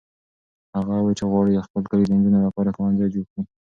هغه وویل چې غواړي د خپل کلي د نجونو لپاره ښوونځی جوړ کړي.